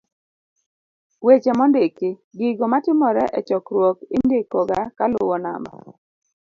d-Weche mondiki. gigo matimore e chokruok indiko ga kaluwo namba